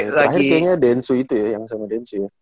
terakhir kayaknya densu itu ya yang sama densu